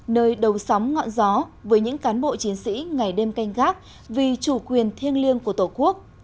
nơi đầu sóng ngọn gió với những cán bộ chiến sĩ ngày đêm canh gác vì chủ quyền thiêng liêng của tổ quốc